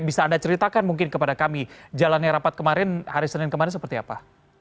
bisa anda ceritakan mungkin kepada kami jalannya rapat kemarin hari senin kemarin seperti apa